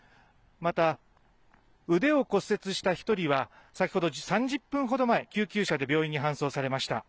また、腕を骨折した１人は先ほど３０分ほど前、救急車で病院に搬送されました。